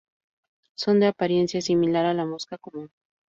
Son de apariencia similar a la mosca común.